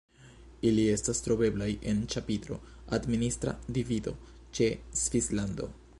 Ili estas troveblaj en ĉapitro "Administra divido" ĉe "Svislando".